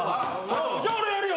じゃあ俺やるよ。